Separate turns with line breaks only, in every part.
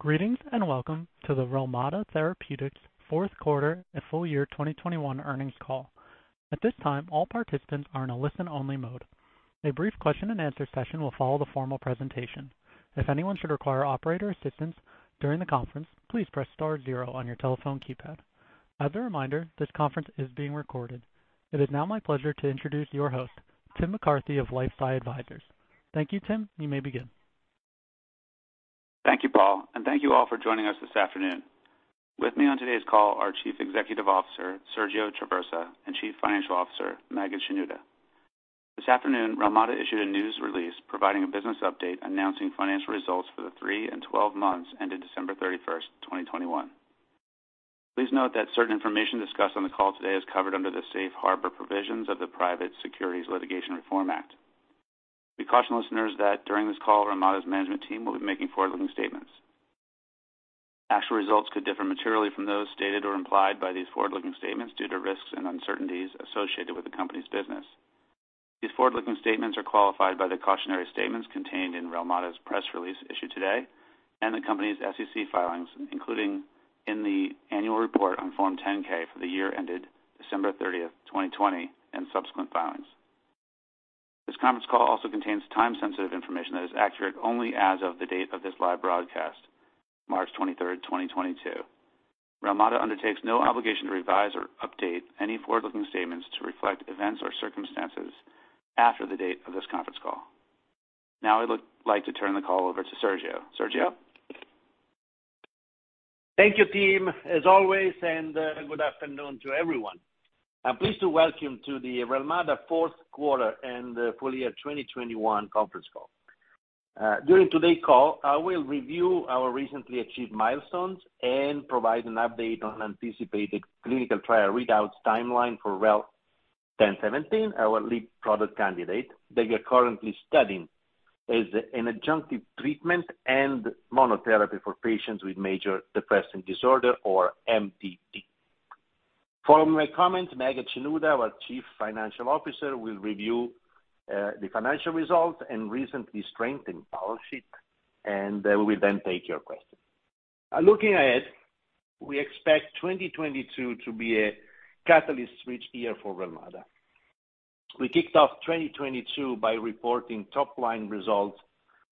Greetings and welcome to the Relmada Therapeutics fourth quarter and full year 2021 earnings call. At this time, all participants are in a listen-only mode. A brief question and answer session will follow the formal presentation. If anyone should require operator assistance during the conference, please press star zero on your telephone keypad. As a reminder, this conference is being recorded. It is now my pleasure to introduce your host, Tim McCarthy of LifeSci Advisors. Thank you, Tim. You may begin.
Thank you, Paul, and thank you all for joining us this afternoon. With me on today's call are Chief Executive Officer Sergio Traversa and Chief Financial Officer Maged Shenouda. This afternoon, Relmada issued a news release providing a business update announcing financial results for the three and 12 months ended December 31st, 2021. Please note that certain information discussed on the call today is covered under the safe harbor provisions of the Private Securities Litigation Reform Act. We caution listeners that during this call, Relmada's management team will be making forward-looking statements. Actual results could differ materially from those stated or implied by these forward-looking statements due to risks and uncertainties associated with the company's business. These forward-looking statements are qualified by the cautionary statements contained in Relmada's press release issued today and the company's SEC filings, including in the annual report on Form 10-K for the year ended December 30th, 2020, and subsequent filings. This conference call also contains time-sensitive information that is accurate only as of the date of this live broadcast, March 23rd, 2022. Relmada undertakes no obligation to revise or update any forward-looking statements to reflect events or circumstances after the date of this conference call. Now I would like to turn the call over to Sergio. Sergio.
Thank you, Tim, as always, and good afternoon to everyone. I'm pleased to welcome you to the Relmada fourth quarter and full year 2021 conference call. During today's call, I will review our recently achieved milestones and provide an update on anticipated clinical trial readouts timeline for REL-1017, our lead product candidate that we are currently studying as an adjunctive treatment and monotherapy for patients with major depressive disorder or MDD. Following my comments, Maged Shenouda, our Chief Financial Officer, will review the financial results and recently strengthened balance sheet, and we'll then take your questions. Looking ahead, we expect 2022 to be a catalyst switch year for Relmada. We kicked off 2022 by reporting top-line results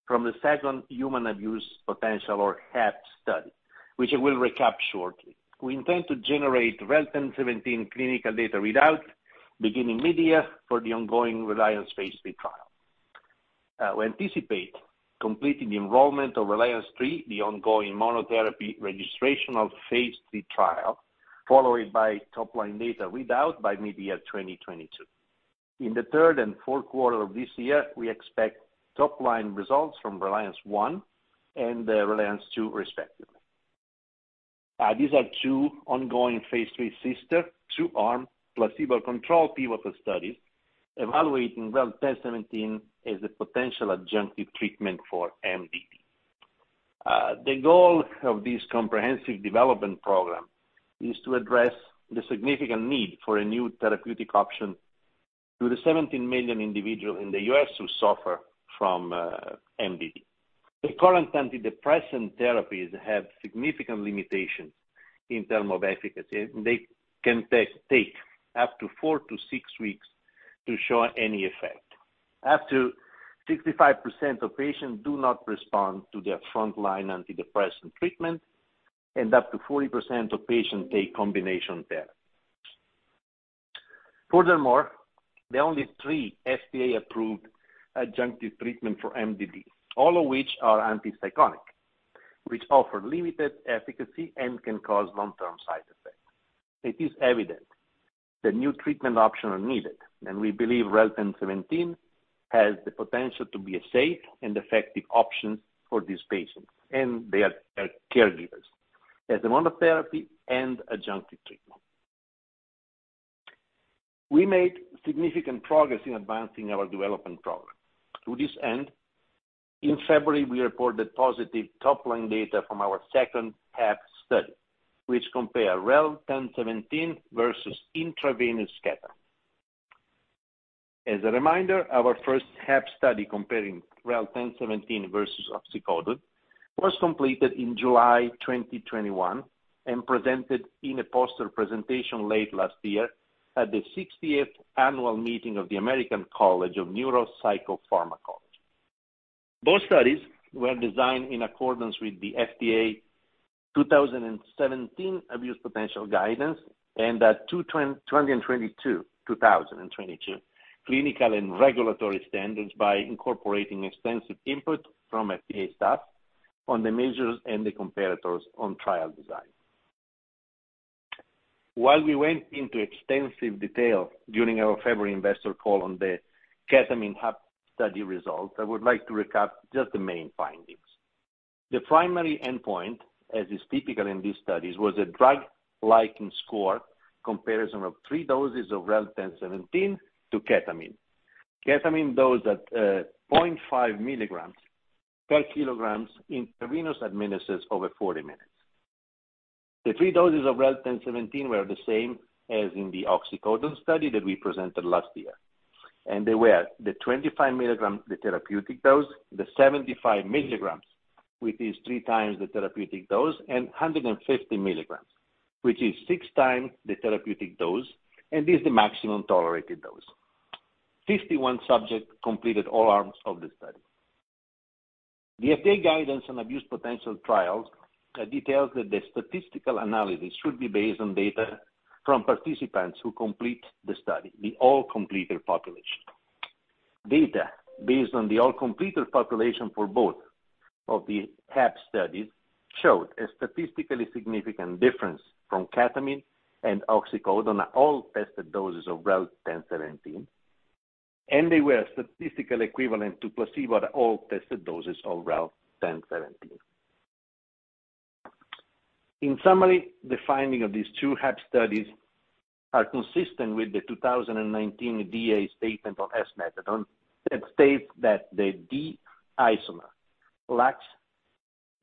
from the second human abuse potential or HAP study, which I will recap shortly. We intend to generate REL-1017 clinical data readout beginning midyear for the ongoing RELIANCE phase III trial. We anticipate completing the enrollment of RELIANCE III, the ongoing monotherapy registrational phase III trial, followed by top-line data readout by mid-2022. In the third and fourth quarter of this year, we expect top-line results from RELIANCE I and RELIANCE II, respectively. These are two ongoing phase III sister two-arm placebo-controlled pivotal studies evaluating REL-1017 as a potential adjunctive treatment for MDD. The goal of this comprehensive development program is to address the significant need for a new therapeutic option to the 17 million individuals in the U.S. who suffer from MDD. The current antidepressant therapies have significant limitations in terms of efficacy. They can take up to four-six weeks to show any effect. Up to 65% of patients do not respond to their frontline antidepressant treatment, and up to 40% of patients take combination therapy. Furthermore, there are only three FDA-approved adjunctive treatment for MDD, all of which are antipsychotic, which offer limited efficacy and can cause long-term side effects. It is evident the new treatment options are needed, and we believe REL-1017 has the potential to be a safe and effective option for these patients and their caregivers as a monotherapy and adjunctive treatment. We made significant progress in advancing our development program. To this end, in February, we reported positive top-line data from our second HAP study, which compare REL-1017 versus intravenous ketamine. As a reminder, our first HAP study comparing REL-1017 versus oxycodone was completed in July 2021 and presented in a poster presentation late last year at the 60th annual meeting of the American College of Neuropsychopharmacology. Both studies were designed in accordance with the FDA 2017 abuse potential guidance and the 2020 and 2022 clinical and regulatory standards by incorporating extensive input from FDA staff on the measures and the comparators on trial design. While we went into extensive detail during our February investor call on the ketamine HAP study results, I would like to recap just the main findings. The primary endpoint, as is typical in these studies, was a drug liking score comparison of three doses of REL-1017 to ketamine. Ketamine dose at 0.5 milligrams per kilogram intravenously administered over 40 minutes. The three doses of REL-1017 were the same as in the oxycodone study that we presented last year. They were the 25 milligrams, the therapeutic dose, the 75 milligrams, which is three times the therapeutic dose, and 150 milligrams, which is six times the therapeutic dose and is the maximum tolerated dose. 51 subjects completed all arms of the study. The FDA guidance on abuse potential trials details that the statistical analysis should be based on data from participants who complete the study, the all completer population. Data based on the all completer population for both of the HAP studies showed a statistically significant difference from ketamine and oxycodone on all tested doses of REL-1017, and they were statistically equivalent to placebo at all tested doses of REL-1017. In summary, the finding of these two HAP studies are consistent with the 2019 DEA statement on methadone that states that the D isomer lacks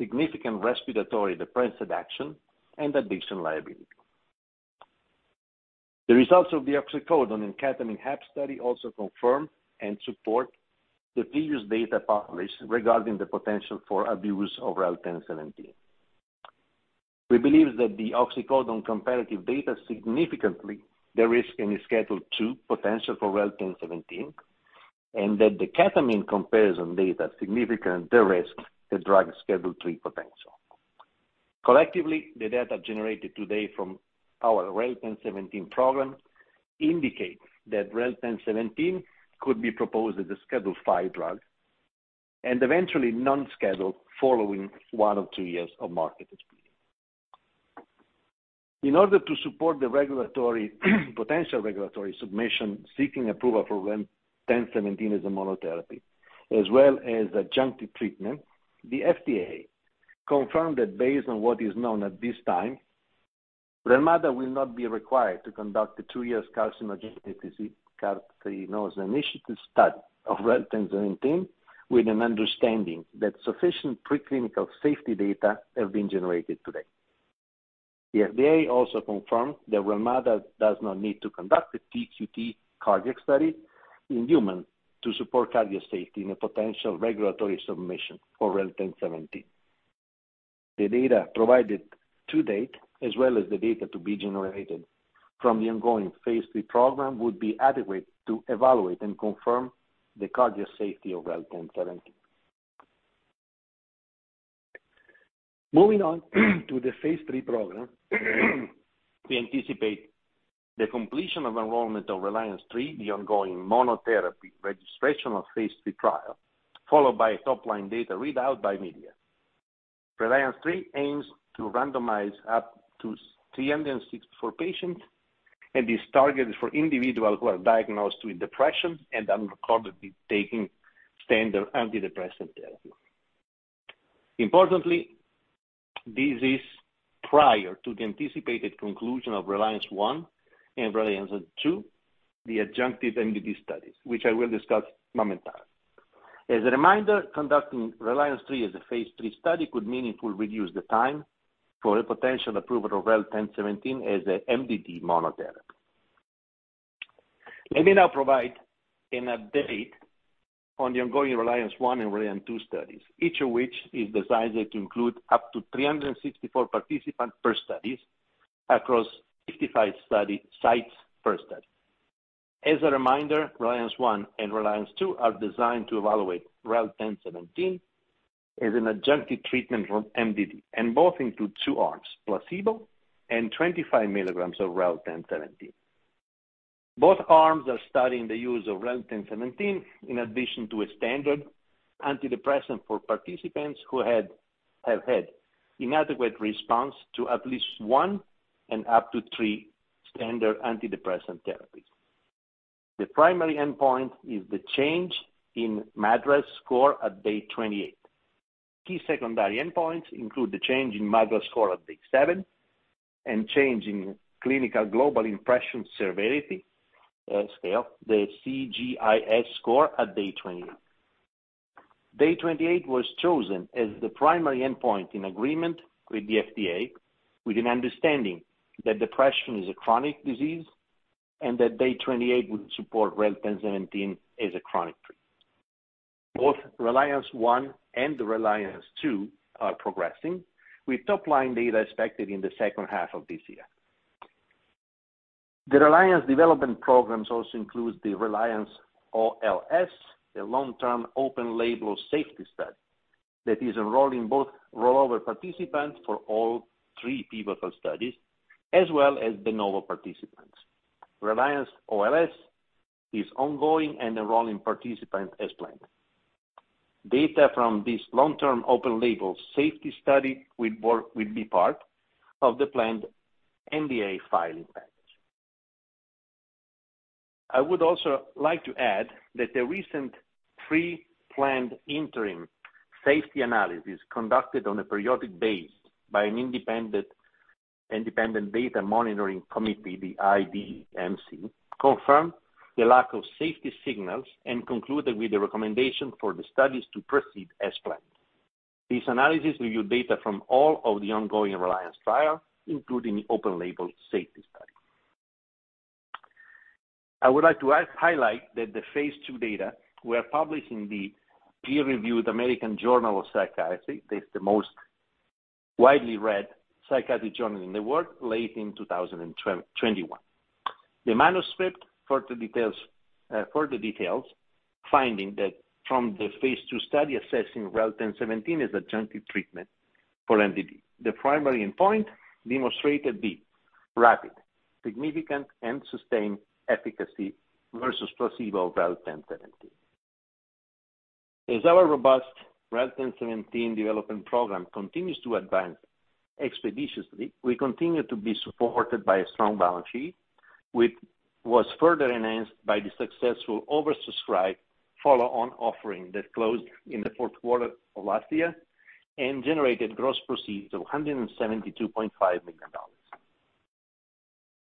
significant respiratory depressant action and addiction liability. The results of the oxycodone and ketamine HAP study also confirm and support the previous data published regarding the potential for abuse of REL-1017. We believe that the oxycodone comparative data significantly de-risks any Schedule II potential for REL-1017, and that the ketamine comparison data significant de-risks the drug Schedule III potential. Collectively, the data generated today from our REL-1017 program indicates that REL-1017 could be proposed as a Schedule V drug and eventually non-scheduled following one or two years of market experience. In order to support the regulatory potential regulatory submission seeking approval for REL-1017 as a monotherapy as well as adjunctive treatment, the FDA confirmed that based on what is known at this time, Relmada will not be required to conduct the two-year carcinogenicity study of REL-1017 with an understanding that sufficient preclinical safety data have been generated to date. The FDA also confirmed that Relmada does not need to conduct a TQT cardiac study in humans to support cardio safety in a potential regulatory submission for REL-1017. The data provided to date, as well as the data to be generated from the ongoing phase III program, would be adequate to evaluate and confirm the cardio safety of REL-1017. Moving on to the phase III program, we anticipate the completion of enrollment of RELIANCE III, the ongoing monotherapy registrational phase III trial, followed by a top-line data readout by media. RELIANCE III aims to randomize up to 364 patients and is targeted for individuals who are diagnosed with depression and are currently taking standard antidepressant therapy. Importantly, this is prior to the anticipated conclusion of RELIANCE I and RELIANCE II, the adjunctive MDD studies, which I will discuss momentarily. As a reminder, conducting RELIANCE III as a phase III study could meaningfully reduce the time for a potential approval of REL-1017 as a MDD monotherapy. Let me now provide an update on the ongoing RELIANCE I and RELIANCE II studies, each of which is designed to include up to 364 participants per study across 55 study sites per study. As a reminder, RELIANCE I and RELIANCE II are designed to evaluate REL-1017 as an adjunctive treatment for MDD, and both include two arms, placebo and 25 milligrams of REL-1017. Both arms are studying the use of REL-1017 in addition to a standard antidepressant for participants who have had inadequate response to at least one and up to three standard antidepressant therapies. The primary endpoint is the change in MADRS score at day 28. Key secondary endpoints include the change in MADRS score at day seven and change in Clinical Global Impression Severity Scale, the CGI-S score at day 28. Day 28 was chosen as the primary endpoint in agreement with the FDA, with an understanding that depression is a chronic disease and that day 28 would support REL-1017 as a chronic treatment. Both RELIANCE I and RELIANCE II are progressing with top-line data expected in the second half of this year. The RELIANCE development programs also includes the RELIANCE OLS, a long-term open-label safety study that is enrolling both rollover participants for all three pivotal studies as well as de novo participants. RELIANCE OLS is ongoing and enrolling participants as planned. Data from this long-term open-label safety study will be part of the planned NDA filing package. I would also like to add that the recent pre-planned interim safety analysis conducted on a periodic basis by an independent data monitoring committee, the IDMC, confirmed the lack of safety signals and concluded with the recommendation for the studies to proceed as planned. These analyses reviewed data from all of the ongoing RELIANCE trials, including the open-label safety study. I would like to highlight that the phase II data we are publishing in the peer-reviewed American Journal of Psychiatry. That's the most widely read psychiatry journal in the world, late in 2021. The manuscript details the findings from the phase II study assessing REL-1017 as adjunctive treatment for MDD. The primary endpoint demonstrated the rapid, significant, and sustained efficacy of REL-1017 versus placebo. As our robust REL-1017 development program continues to advance expeditiously, we continue to be supported by a strong balance sheet, which was further enhanced by the successful oversubscribed follow-on offering that closed in the fourth quarter of last year and generated gross proceeds of $172.5 million.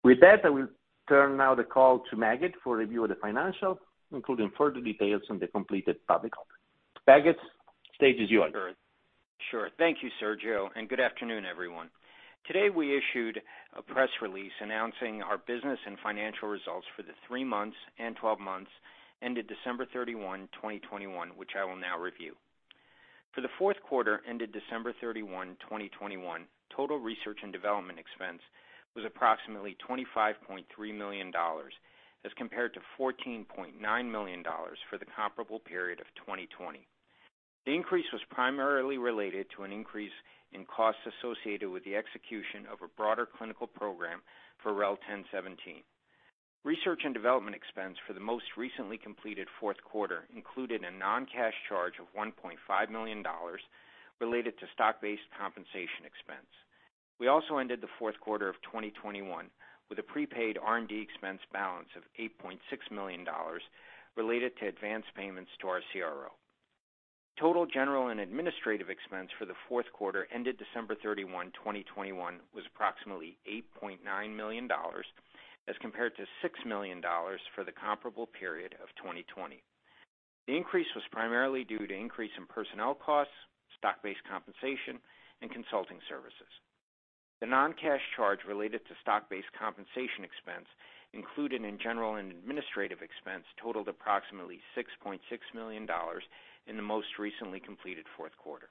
With that, I will now turn the call to Maged for review of the financials, including further details on the completed public offering. Maged, the stage is yours.
Sure. Thank you, Sergio, and good afternoon, everyone. Today, we issued a press release announcing our business and financial results for the three months and twelve months ended December 31, 2021, which I will now review. For the fourth quarter ended December 31, 2021, total research and development expense was approximately $25.3 million as compared to $14.9 million for the comparable period of 2020. The increase was primarily related to an increase in costs associated with the execution of a broader clinical program for REL-1017. Research and development expense for the most recently completed fourth quarter included a non-cash charge of $1.5 million related to stock-based compensation expense. We also ended the fourth quarter of 2021 with a prepaid R&D expense balance of $8.6 million related to advanced payments to our CRO. Total general and administrative expense for the fourth quarter ended December 31, 2021, was approximately $8.9 million, as compared to $6 million for the comparable period of 2020. The increase was primarily due to increase in personnel costs, stock-based compensation, and consulting services. The non-cash charge related to stock-based compensation expense included in general and administrative expense totaled approximately $6.6 million in the most recently completed fourth quarter.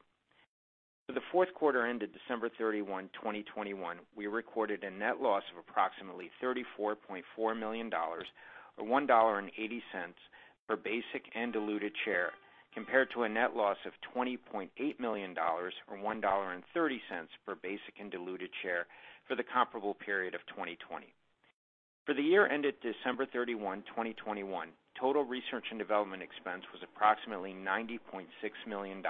For the fourth quarter ended December 31, 2021, we recorded a net loss of approximately $34.4 million, or $1.80 per basic and diluted share, compared to a net loss of $20.8 million, or $1.30 per basic and diluted share for the comparable period of 2020. For the year ended December 31, 2021, total research and development expense was approximately $90.6 million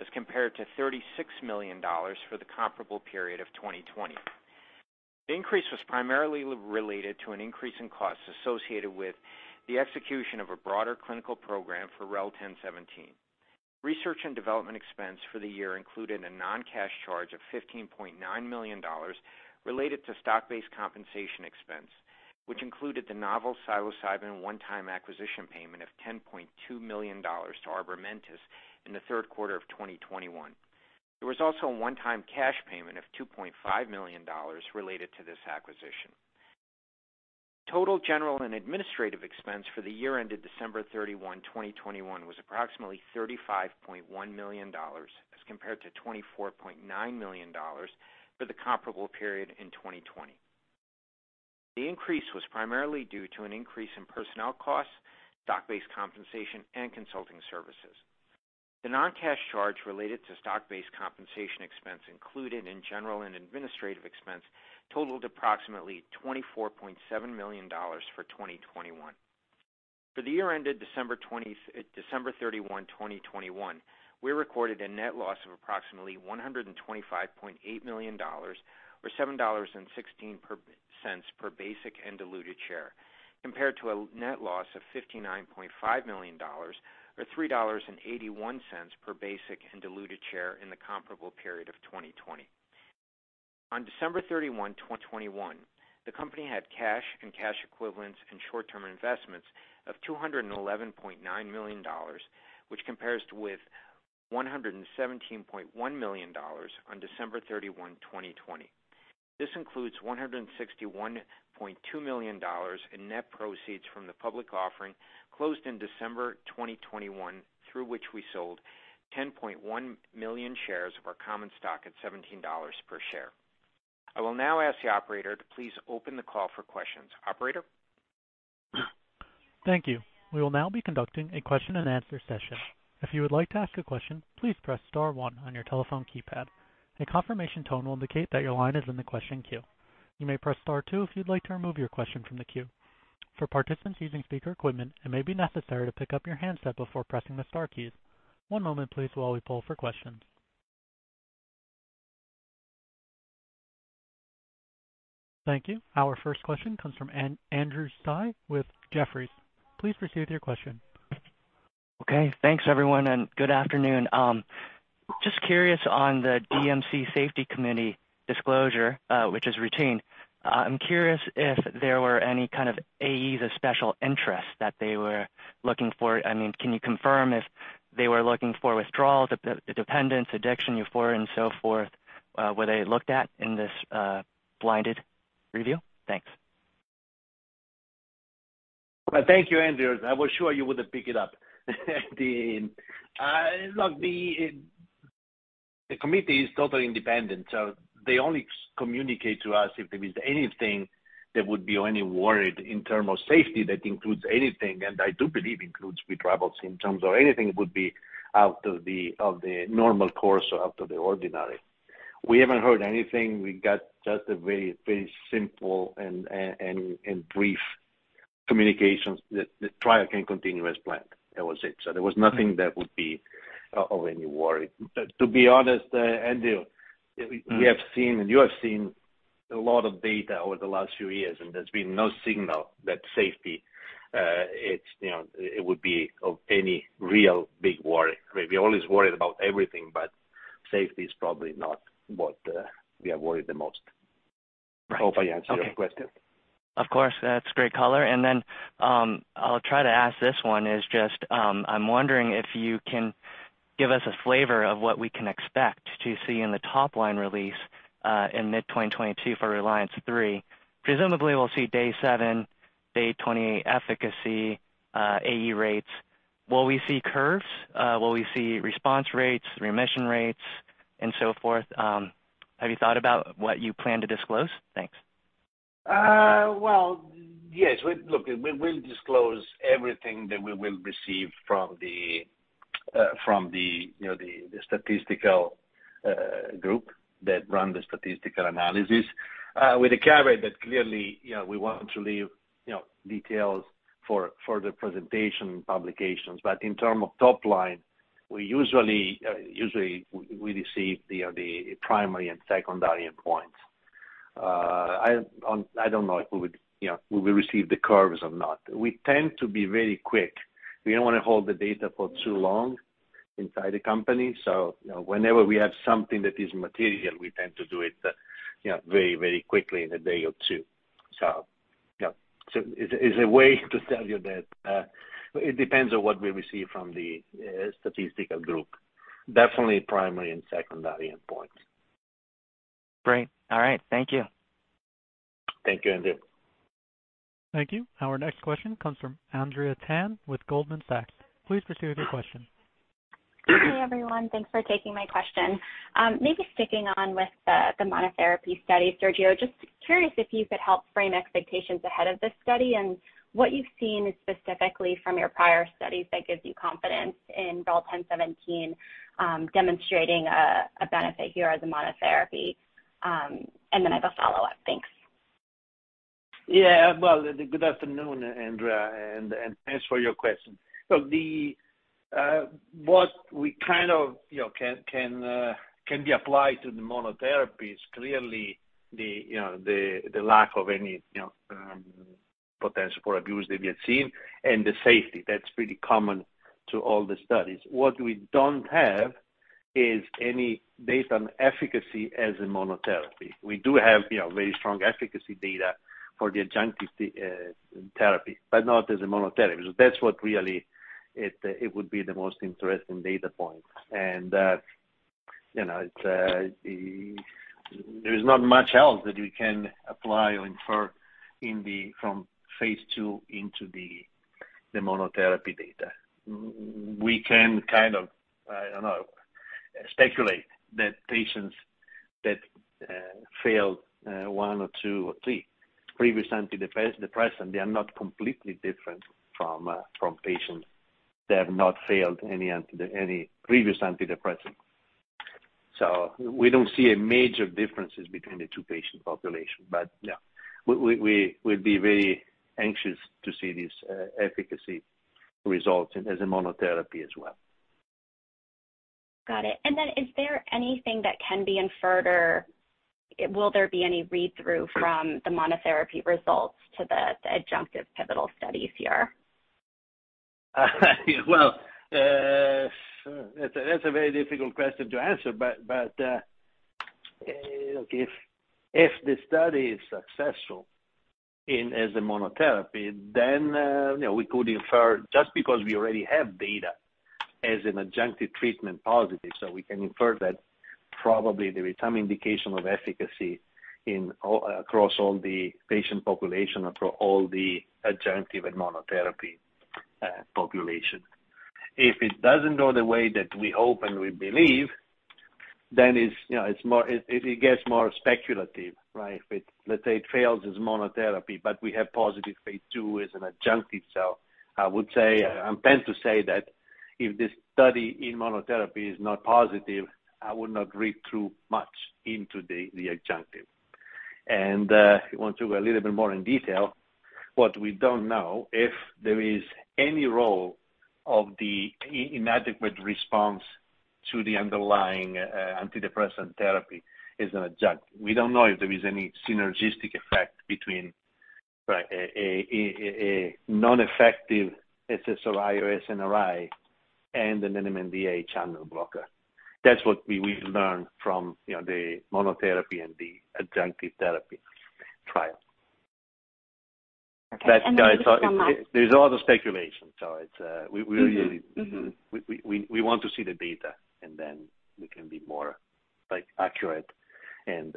as compared to $36 million for the comparable period of 2020. The increase was primarily related to an increase in costs associated with the execution of a broader clinical program for REL-1017. Research and development expense for the year included a non-cash charge of $15.9 million related to stock-based compensation expense, which included the novel psilocybin one-time acquisition payment of $10.2 million to Arbormentis LLC in the third quarter of 2021. There was also a one-time cash payment of $2.5 million related to this acquisition. Total general and administrative expense for the year ended December 31, 2021, was approximately $35.1 million as compared to $24.9 million for the comparable period in 2020. The increase was primarily due to an increase in personnel costs, stock-based compensation, and consulting services. The non-cash charge related to stock-based compensation expense included in general and administrative expense totaled approximately $24.7 million for 2021. For the year ended December 31, 2021, we recorded a net loss of approximately $125.8 million or $7.16 per basic and diluted share, compared to a net loss of $59.5 million or $3.81 per basic and diluted share in the comparable period of 2020. On December 31, 2021, the company had cash and cash equivalents and short-term investments of $211.9 million, which compares with $117.1 million on December 31, 2020. This includes $161.2 million in net proceeds from the public offering closed in December 2021, through which we sold 10.1 million shares of our common stock at $17 per share. I will now ask the operator to please open the call for questions. Operator?
Thank you. We will now be conducting a question and answer session. If you would like to ask a question, please press star one on your telephone keypad. A confirmation tone will indicate that your line is in the question queue. You may press star two if you'd like to remove your question from the queue. For participants using speaker equipment, it may be necessary to pick up your handset before pressing the star keys. One moment please while we poll for questions. Thank you. Our first question comes from Andrew Tsai with Jefferies. Please proceed with your question.
Okay, thanks everyone, and good afternoon. Just curious on the DMC safety committee disclosure, which is routine. I'm curious if there were any kind of AEs of special interest that they were looking for. I mean, can you confirm if they were looking for withdrawals, dependence, addiction, euphoria, and so forth, were they looked at in this, blinded review? Thanks.
Well, thank you, Andrew. I was sure you would have picked it up. Look, the committee is totally independent, so they only communicate to us if there is anything that would be of any worry in terms of safety. That includes anything, and I do believe includes withdrawals, in terms of anything it would be out of the normal course or out of the ordinary. We haven't heard anything. We got just a very simple and brief communications that the trial can continue as planned. That was it. There was nothing that would be of any worry. To be honest, Andrew, we have seen and you have seen a lot of data over the last few years, and there's been no signal that safety, it's, you know, it would be of any real big worry. We're always worried about everything, but safety is probably not what we are worried the most.
Right. Okay.
Hope I answered your question.
Of course. That's great color. Then, I'll try to ask this one. It's just, I'm wondering if you can give us a flavor of what we can expect to see in the top line release in mid-2022 for RELIANCE III. Presumably, we'll see day seven, day 28 efficacy, AE rates. Will we see curves? Will we see response rates, remission rates, and so forth? Have you thought about what you plan to disclose? Thanks.
Well, yes. Look, we'll disclose everything that we will receive from the statistical group that run the statistical analysis. With the caveat that clearly, you know, we want to leave details for the presentation publications. In terms of top line, we usually receive the primary and secondary endpoints. I don't know if we would receive the curves or not. We tend to be very quick. We don't want to hold the data for too long inside the company. You know, whenever we have something that is material, we tend to do it very quickly in a day or two. Yeah. It's a way to tell you that it depends on what we receive from the statistical group. Definitely primary and secondary endpoints.
Great. All right. Thank you.
Thank you, Andrew.
Thank you. Our next question comes from Andrea Tan with Goldman Sachs. Please proceed with your question.
Hey, everyone. Thanks for taking my question. Maybe sticking on with the monotherapy study, Sergio. Just curious if you could help frame expectations ahead of this study and what you've seen specifically from your prior studies that gives you confidence in REL-1017 demonstrating a benefit here as a monotherapy. And then I have a follow-up. Thanks.
Yeah. Well, good afternoon, Andrea, and thanks for your question. Look, what we kind of, you know, can be applied to the monotherapy is clearly the, you know, the lack of any potential for abuse that we have seen and the safety. That's pretty common to all the studies. What we don't have is any data on efficacy as a monotherapy. We do have, you know, very strong efficacy data for the adjunctive therapy, but not as a monotherapy. That's what really it would be the most interesting data point. You know, there is not much else that we can apply or infer from phase II into the monotherapy data. We can kind of, I don't know, speculate that patients that failed one or two or three previous antidepressant, they are not completely different from patients that have not failed any previous antidepressant. We don't see a major differences between the two patient population. Yeah, we'll be very anxious to see these efficacy results as a monotherapy as well.
Got it. Is there anything that can be inferred or will there be any read-through from the monotherapy results to the adjunctive pivotal studies here?
Well, that's a very difficult question to answer. Look, if the study is successful as a monotherapy, then you know, we could infer just because we already have data as an adjunctive treatment positive, so we can infer that probably there is some indication of efficacy across all the patient population, across all the adjunctive and monotherapy population. If it doesn't go the way that we hope and we believe, then it's you know, it's more speculative, right? If it let's say it fails as monotherapy, but we have positive phase II as an adjunctive. I would say, I tend to say that if the study in monotherapy is not positive, I would not read too much into the adjunctive. If you want to go a little bit more in detail, what we don't know if there is any role of the inadequate response to the underlying antidepressant therapy as an adjunctive. We don't know if there is any synergistic effect between a non-effective SSRI or SNRI and an NMDA channel blocker. That's what we've learned from, you know, the monotherapy and the adjunctive therapy trial.
Okay.
There's a lot of speculation, so it's we really
Mm-hmm. Mm-hmm.
We want to see the data and then we can be more, like, accurate and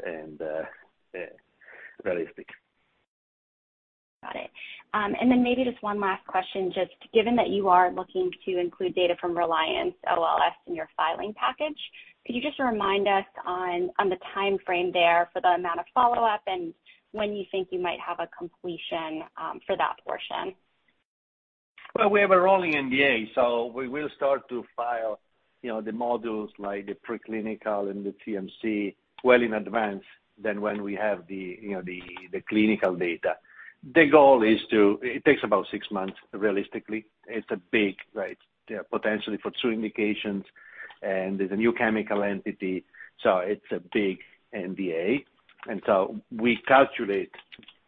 realistic.
Got it. Maybe just one last question. Just given that you are looking to include data from RELIANCE OLS in your filing package, could you just remind us on the timeframe there for the amount of follow-up and when you think you might have a completion for that portion?
Well, we have a rolling NDA, so we will start to file, you know, the modules like the preclinical and the CMC well in advance of when we have the, you know, the clinical data. The goal is. It takes about six months, realistically. It's big, right, potentially for two indications and there's a new chemical entity, so it's a big NDA. We calculate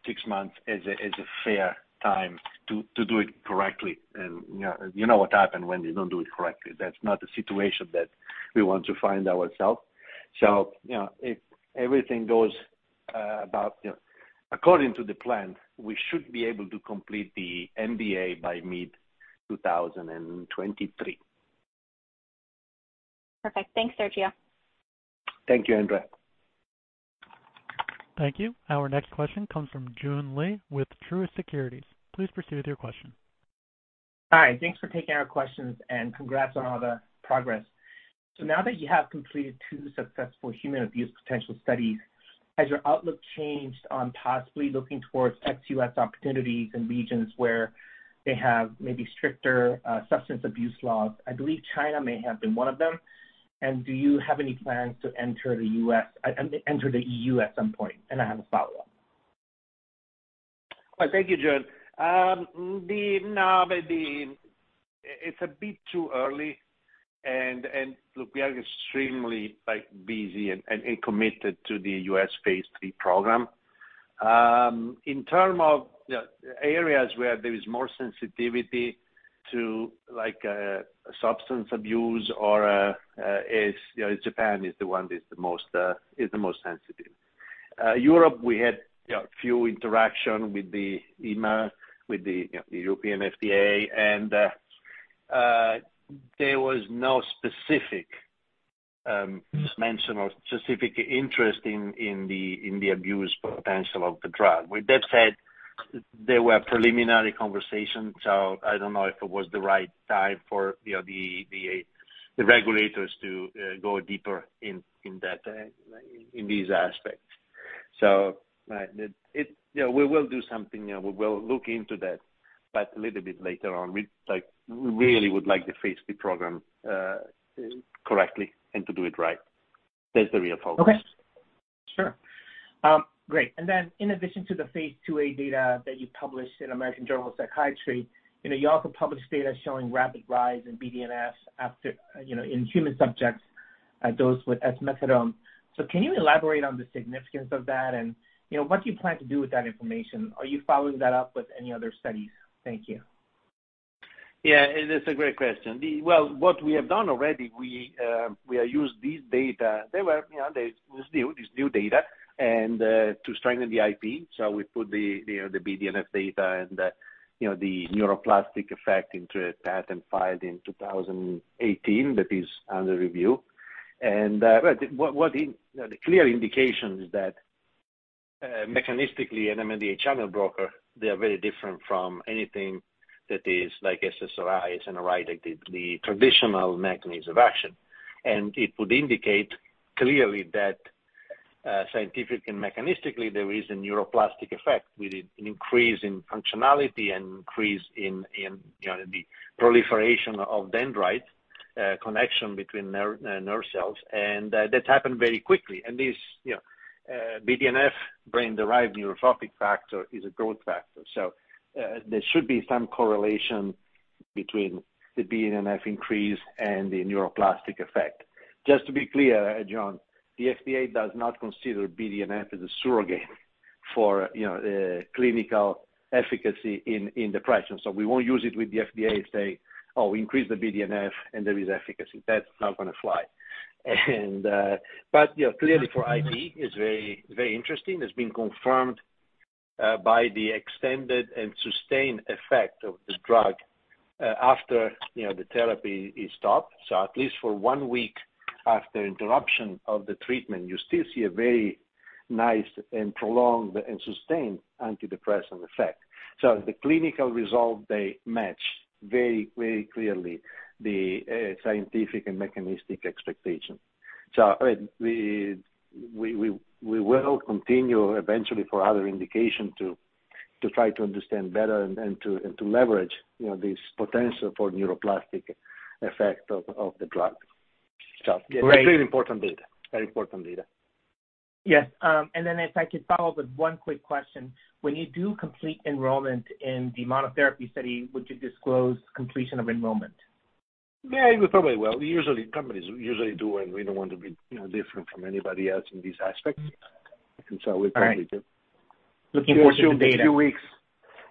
six months as a fair time to do it correctly. You know what happens when you don't do it correctly. That's not a situation that we want to find ourselves. You know, if everything goes according to the plan, we should be able to complete the NDA by mid-2023.
Perfect. Thanks, Sergio.
Thank you, Andrea.
Thank you. Our next question comes from Joon Lee with Truist Securities. Please proceed with your question.
Hi. Thanks for taking our questions and congrats on all the progress. Now that you have completed two successful human abuse potential studies, has your outlook changed on possibly looking towards ex-U.S. opportunities in regions where they have maybe stricter, substance abuse laws? I believe China may have been one of them. Do you have any plans to enter the EU at some point? I have a follow-up.
Well, thank you, Joon. It's a bit too early and look, we are extremely like busy and committed to the U.S. phase III program. In terms of, you know, areas where there is more sensitivity to like substance abuse or, you know, Japan is the one that's the most sensitive. Europe, we had, you know, few interactions with the EMA, with the, you know, the European FDA and there was no specific mention of specific interest in the abuse potential of the drug. With that said, there were preliminary conversations, so I don't know if it was the right time for, you know, the regulators to go deeper in that, in these aspects. You know, we will do something. You know, we will look into that, but a little bit later on. We like, we really would like the phase III program correctly and to do it right. That's the real focus.
Okay. Sure. Great. In addition to the phase IIa data that you published in American Journal of Psychiatry, you know, you also published data showing rapid rise in BDNF after, you know, in human subjects dosed with methadone. Can you elaborate on the significance of that? You know, what do you plan to do with that information? Are you following that up with any other studies? Thank you.
Yeah, it is a great question. Well, what we have done already, we have used these data. They were, you know, this is new data and to strengthen the IP. We put the BDNF data and the neuroplastic effect into a patent filed in 2018 that is under review. The clear indication is that mechanistically an NMDA channel blocker, they are very different from anything that is like SSRI, SNRI, like the traditional mechanism of action. It would indicate clearly that scientific and mechanistically there is a neuroplastic effect with an increase in functionality and increase in, you know, the proliferation of dendrite connection between nerve cells. That happened very quickly. This, you know, BDNF, brain-derived neurotrophic factor, is a growth factor. There should be some correlation between the BDNF increase and the neuroplastic effect. Just to be clear, Joon, the FDA does not consider BDNF as a surrogate for, you know, clinical efficacy in depression. We won't use it with the FDA and say, "Oh, increase the BDNF and there is efficacy." That's not gonna fly. But you know, clearly for IP it's very, very interesting. It's been confirmed by the extended and sustained effect of the drug after, you know, the therapy is stopped. At least for one week after interruption of the treatment, you still see a very nice and prolonged and sustained antidepressant effect. The clinical result, they match very, very clearly the scientific and mechanistic expectation. We will continue eventually for other indication to try to understand better and to leverage, you know, this potential for neuroplastic effect of the drug.
Great.
It's really important data. Very important data.
Yes. If I could follow with one quick question. When you do complete enrollment in the monotherapy study, would you disclose completion of enrollment?
Yeah, we probably will. Usually, companies usually do, and we don't want to be, you know, different from anybody else in this aspect. We'll probably do.
All right. Looking forward to the data.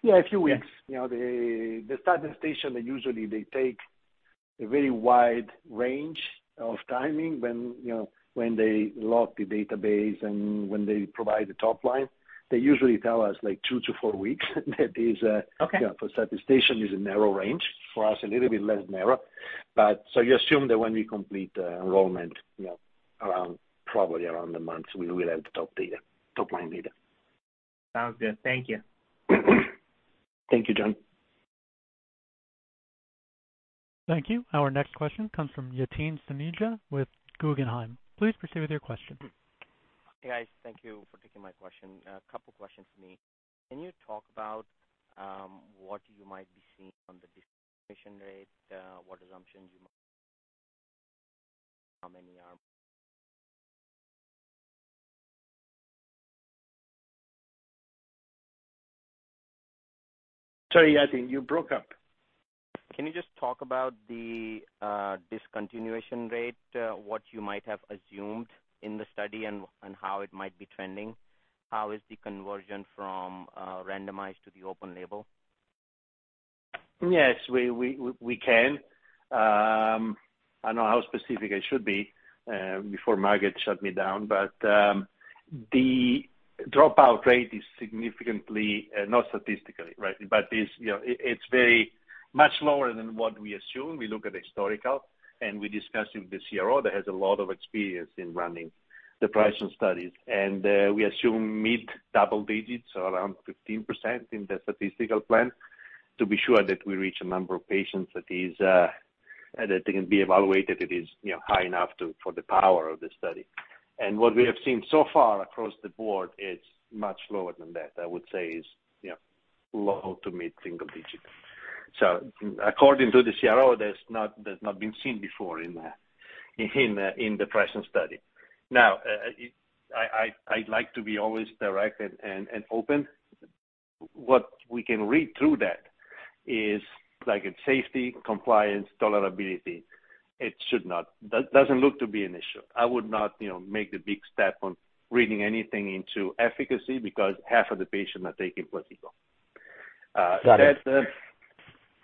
Yeah, a few weeks. You know, the statisticians usually take a very wide range of timing when, you know, when they lock the database and when they provide the top line. They usually tell us, like, two-four weeks. That is.
Okay.
You know, for satisfaction is a narrow range for us, a little bit less narrow. You assume that when we complete the enrollment, you know, around, probably around a month, we will have the top data, top-line data.
Sounds good. Thank you.
Thank you, Joon Lee.
Thank you. Our next question comes from Yatin Suneja with Guggenheim. Please proceed with your question.
Hey, guys. Thank you for taking my question. A couple questions from me. Can you talk about what you might be seeing on the rate, what assumptions you have how many are.
Sorry, Yatin, you broke up.
Can you just talk about the discontinuation rate, what you might have assumed in the study and how it might be trending? How is the conversion from randomized to the open label?
Yes, we can. I don't know how specific I should be before Maged shut me down, but the dropout rate is significantly not statistically, right? You know, it's very much lower than what we assume. We look at historical, and we discussed with the CRO that has a lot of experience in running depression studies. We assume mid-double digits, so around 15% in the statistical plan to be sure that we reach a number of patients that can be evaluated that is high enough for the power of the study. What we have seen so far across the board is much lower than that. I would say, you know, low to mid single digits. According to the CRO, that's not been seen before in depression study. Now, I'd like to be always direct and open. What we can read through that is like in safety, compliance, tolerability, it should not. That doesn't look to be an issue. I would not, you know, make the big step on reading anything into efficacy because half of the patients are taking placebo.
Got it.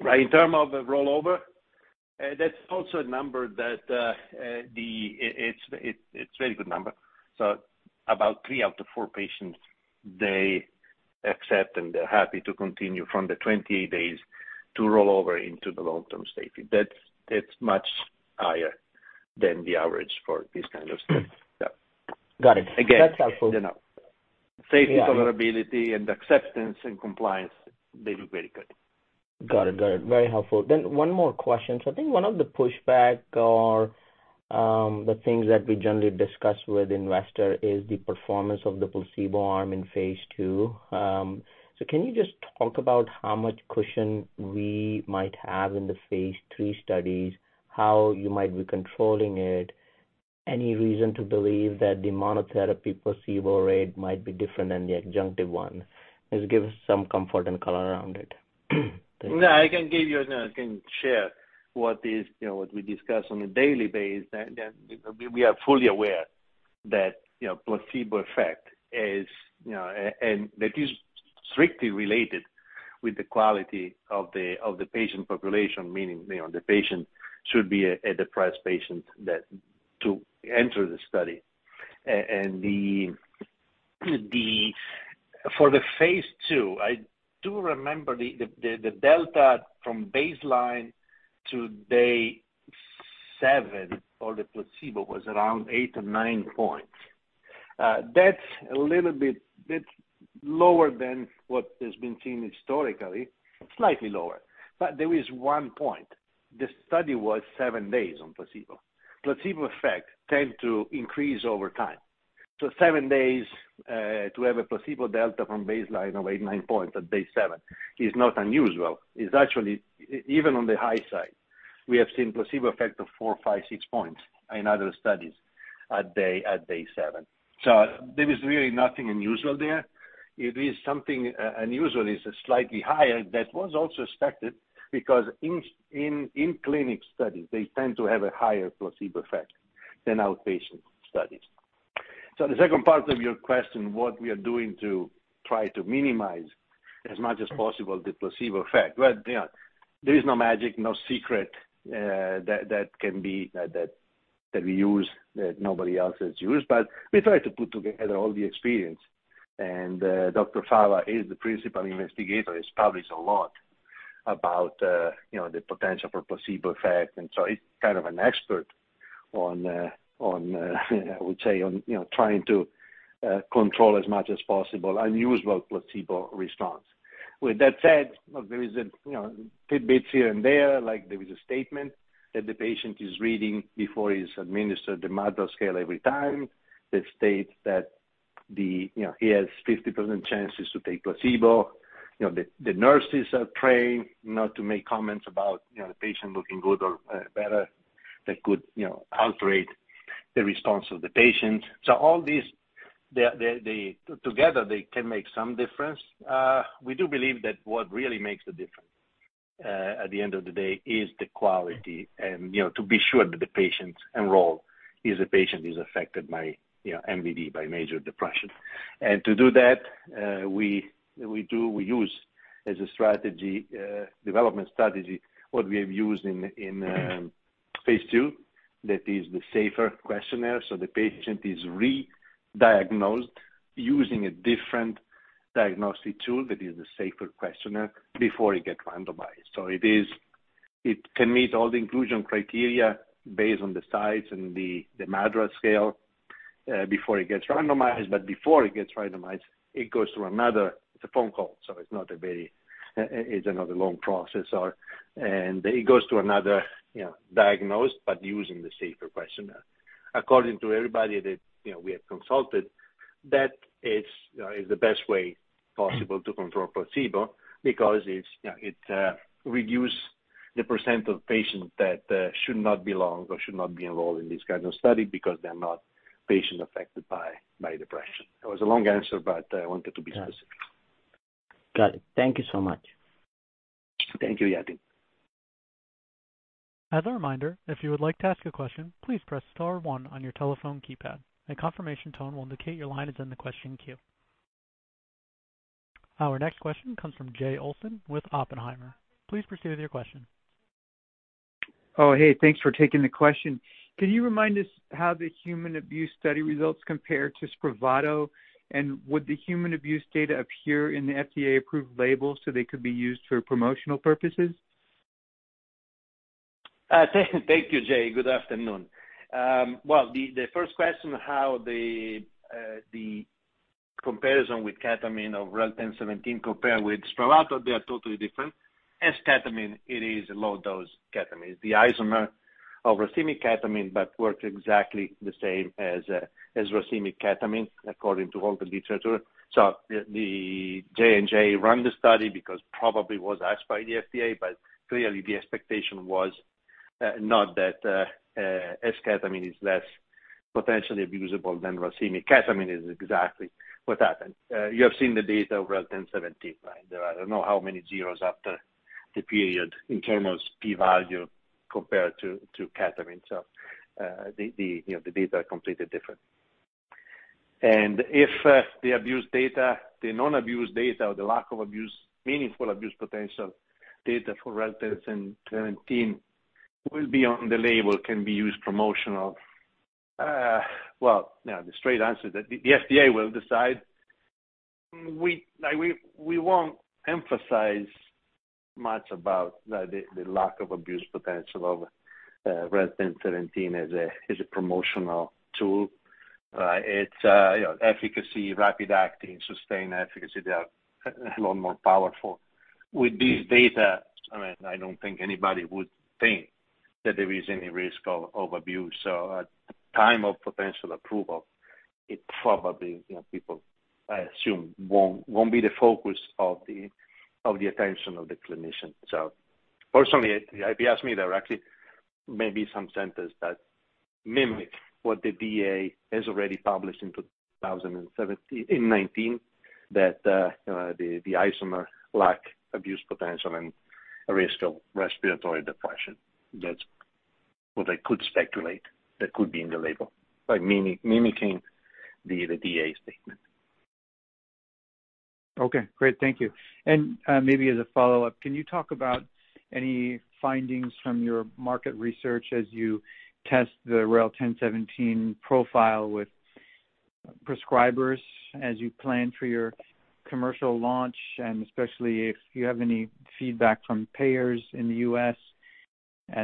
In terms of the rollover, that's also a number that it's very good number. About three out of four patients, they accept, and they're happy to continue from the 20 days to rollover into the long-term safety. That's much higher than the average for this kind of study. Yeah.
Got it.
Again-
That's helpful.
You know, safety.
Yeah, I know.
Tolerability and acceptance and compliance, they look very good.
Got it. Very helpful. One more question. I think one of the pushback or the things that we generally discuss with investor is the performance of the placebo arm in phase II. Can you just talk about how much cushion we might have in the phase III studies, how you might be controlling it? Any reason to believe that the monotherapy placebo rate might be different than the adjunctive one? Just give us some comfort and color around it.
Yeah, I can give you, I can share what is, you know, what we discuss on a daily basis. We are fully aware that, you know, placebo effect is, you know, and that is strictly related with the quality of the patient population, meaning, you know, the patient should be a depressed patient that to enter the study. For the phase II, I do remember the delta from baseline to day seven for the placebo was around eight or nine points. That's a little bit lower than what has been seen historically, slightly lower. There is one point. The study was seven days on placebo. Placebo effect tends to increase over time. Seven days to have a placebo delta from baseline of eight or nine points at day seven is not unusual. It's actually even on the high side. We have seen placebo effect of four, five, six points in other studies at day seven. There is really nothing unusual there. It is something unusual is slightly higher. That was also expected because in clinic studies, they tend to have a higher placebo effect than outpatient studies. The second part of your question, what we are doing to try to minimize as much as possible the placebo effect. Well, you know, there is no magic, no secret that we use that nobody else has used. But we try to put together all the experience. Dr. Fava is the principal investigator, has published a lot about, you know, the potential for placebo effect. He's kind of an expert on, I would say on, you know, trying to control as much as possible unusual placebo response. With that said, there is a, you know, tidbits here and there. Like, there is a statement that the patient is reading before he's administered the MADRS every time that states that the, you know, he has 50% chance to take placebo. You know, the nurses are trained not to make comments about, you know, the patient looking good or better that could, you know, alter the response of the patient. All these, they together they can make some difference. We do believe that what really makes a difference at the end of the day is the quality and, you know, to be sure that the patient enrolled is a patient affected by, you know, MDD, by major depression. To do that, we use as a strategy, development strategy, what we have used in phase II, that is the SAFER questionnaire. The patient is re-diagnosed using a different diagnostic tool that is the SAFER questionnaire before it gets randomized. It can meet all the inclusion criteria based on the size and the MADRS scale before it gets randomized. Before it gets randomized, it goes to another, it's a phone call, so it's not a long process or. It goes to another, you know, diagnosed, but using the SAFER questionnaire. According to everybody that, you know, we have consulted, that is the best way possible to control placebo because it's, you know, it reduce the percent of patients that should not belong or should not be enrolled in this kind of study because they're not patient affected by depression. It was a long answer, but I wanted to be specific.
Got it. Thank you so much.
Thank you, Yatin.
As a reminder, if you would like to ask a question, please press star one on your telephone keypad. A confirmation tone will indicate your line is in the question queue. Our next question comes from Jay Olson with Oppenheimer. Please proceed with your question.
Oh, hey, thanks for taking the question. Can you remind us how the human abuse study results compare to SPRAVATO? Would the human abuse data appear in the FDA-approved label so they could be used for promotional purposes?
Thank you, Jay. Good afternoon. Well, the first question, how the comparison with ketamine of REL-1017 compare with SPRAVATO, they are totally different. Esketamine, it is low dose ketamine. It's the isomer of racemic ketamine but works exactly the same as racemic ketamine, according to all the literature. So the J&J run the study because probably was asked by the FDA, but clearly the expectation was not that esketamine is less potentially abusable than racemic ketamine is exactly what happened. You have seen the data of REL-1017, right? There are I don't know how many zeros after the period in terms of P value compared to ketamine. So, you know, the data are completely different. If the abuse data, the non-abuse data or the lack of abuse, meaningful abuse potential data for REL-1017 will be on the label can be used promotional. Well, you know, the straight answer that the FDA will decide. We like, we won't emphasize much about the lack of abuse potential of REL-1017 as a promotional tool. It's, you know, efficacy, rapid acting, sustained efficacy, they are a lot more powerful. With this data, I mean, I don't think anybody would think that there is any risk of abuse. At the time of potential approval, it probably, you know, people, I assume, won't be the focus of the attention of the clinician. Personally, if you ask me directly, maybe some centers that mimic what the DEA has already published in 2019, that the isomer lack abuse potential and a risk of respiratory depression. That's what I could speculate that could be in the label, mimicking the DEA statement.
Okay, great. Thank you. Maybe as a follow-up, can you talk about any findings from your market research as you test the REL-1017 profile with prescribers, as you plan for your commercial launch, and especially if you have any feedback from payers in the U.S.?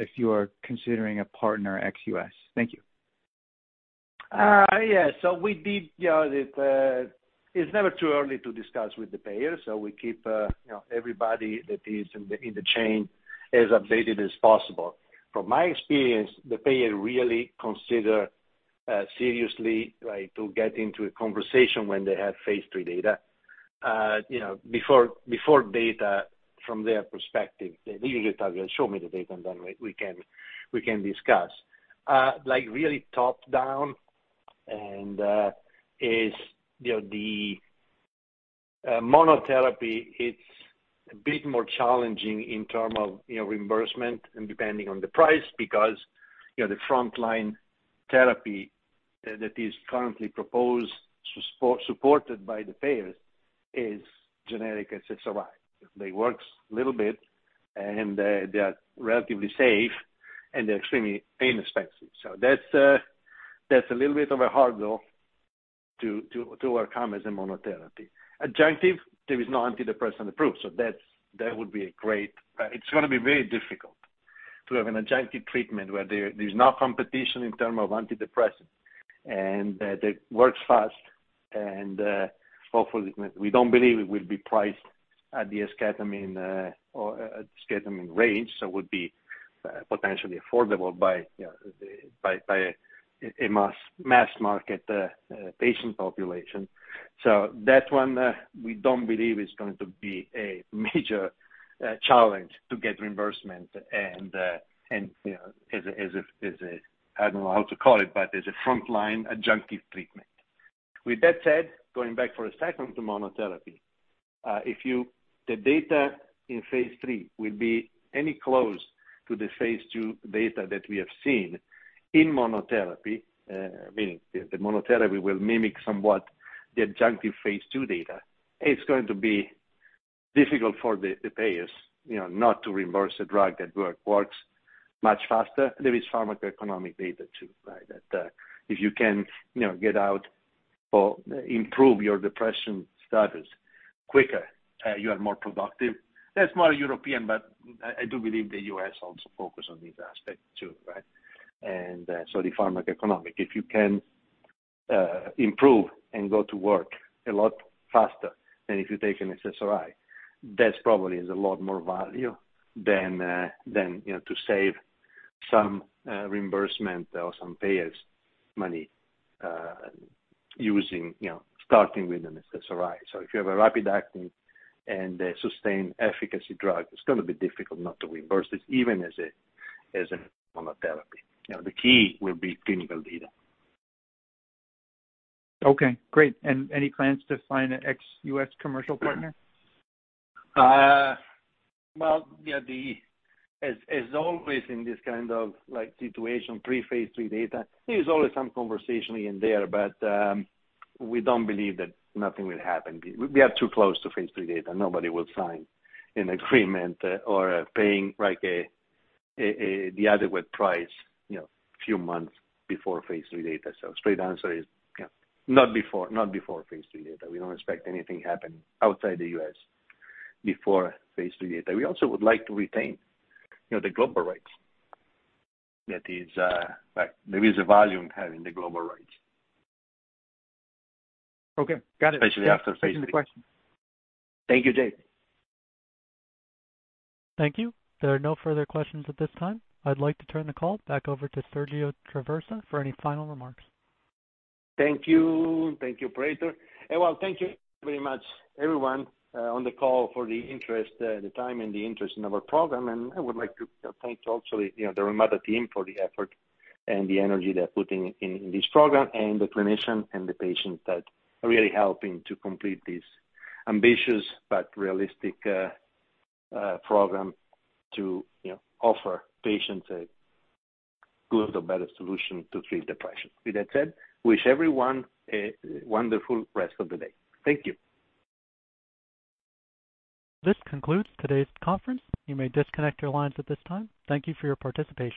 If you are considering a partner ex-U.S.? Thank you.
Yes. We did, you know, that it's never too early to discuss with the payer, so we keep, you know, everybody that is in the chain as updated as possible. From my experience, the payer really consider seriously, right, to get into a conversation when they have phase III data. You know, before data from their perspective, they legally tell you, "Show me the data and then we can discuss." Like really top-down and, you know, the monotherapy, it's a bit more challenging in terms of, you know, reimbursement and depending on the price because, you know, the frontline therapy that is currently proposed supported by the payers is generic SSRI. They works a little bit and they are relatively safe and they're extremely inexpensive. That's a little bit of a hard go to overcome as a monotherapy. Adjunctive, there is no antidepressant approved. That would be a great. It's gonna be very difficult to have an adjunctive treatment where there's no competition in terms of antidepressant and that works fast and hopefully we don't believe it will be priced at the esketamine or at esketamine range, would be potentially affordable by the by a mass market patient population. That one we don't believe is going to be a major challenge to get reimbursement and you know as a as a as a I don't know how to call it but as a frontline adjunctive treatment. With that said, going back for a second to monotherapy, if the data in phase III will be any close to the phase II data that we have seen in monotherapy, meaning the monotherapy will mimic somewhat the adjunctive phase II data. It's going to be difficult for the payers, you know, not to reimburse a drug that works much faster. There is pharmacoeconomic data too, right? That if you can, you know, get out of your depression status quicker, you are more productive. That's more European, but I do believe the U.S. also focus on this aspect too, right? The pharmacoeconomic. If you can improve and go to work a lot faster than if you take an SSRI, that's probably is a lot more value than, you know, to save some reimbursement or some payers money, using, you know, starting with an SSRI. If you have a rapid acting and a sustained efficacy drug, it's gonna be difficult not to reimburse it, even as a monotherapy. You know, the key will be clinical data.
Okay, great. Any plans to sign an ex-US commercial partner?
Well, yeah, always in this kind of situation, pre-phase III data, there is always some conversation in there, but we don't believe that nothing will happen. We are too close to phase III data. Nobody will sign an agreement or paying like a the adequate price, you know, a few months before phase III data. Straight answer is, yeah, not before phase III data. We don't expect anything happening outside the U.S. before phase III data. We also would like to retain, you know, the global rights that is like there is a value in having the global rights.
Okay, got it.
Especially after phase III.
Thank you. Finish the question.
Thank you, Jay.
Thank you. There are no further questions at this time. I'd like to turn the call back over to Sergio Traversa for any final remarks.
Thank you. Thank you, operator. Well, thank you very much everyone on the call for the interest, the time and the interest in our program. I would like to thank also you know, the Relmada team for the effort and the energy they're putting in this program and the clinicians and the patients that are really helping to complete this ambitious but realistic program to you know, offer patients a good or better solution to treat depression. With that said, I wish everyone a wonderful rest of the day. Thank you.
This concludes today's conference. You may disconnect your lines at this time. Thank you for your participation.